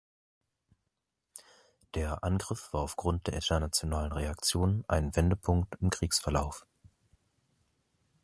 Der Angriff war aufgrund der internationalen Reaktionen ein Wendepunkt im Kriegsverlauf.